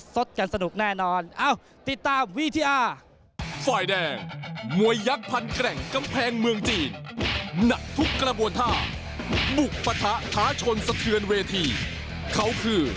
สดกันสนุกแน่นอนติดตามวิทยา